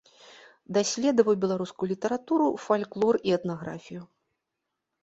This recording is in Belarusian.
Даследаваў беларускую літаратуру, фальклор і этнаграфію.